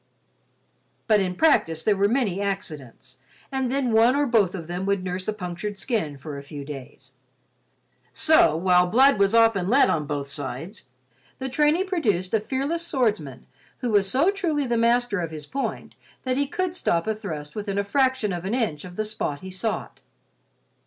But in practice, there were many accidents, and then one or both of them would nurse a punctured skin for a few days. So, while blood was often let on both sides, the training produced a fearless swordsman who was so truly the master of his point that he could stop a thrust within a fraction of an inch of the spot he sought.